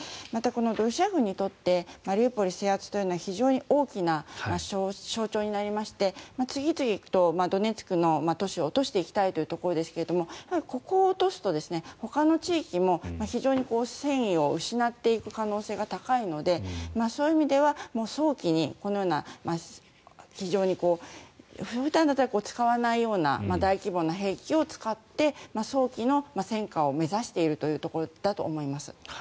このロシア軍にとってマリウポリ制圧というのは非常に大きな象徴になりまして次々とドネツクの都市を落としていきたいというところですがここを落とすとほかの地域も非常に戦意を失っていく可能性が高いのでそういう意味では、早期にこのような非常に普段だったら使わないような大規模な兵器を使って早期の戦果を目指しているところだと思います。